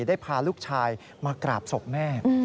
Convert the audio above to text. ได้พาลูกชายมากราบศพแม่